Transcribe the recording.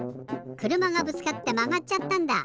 くるまがぶつかってまがっちゃったんだ！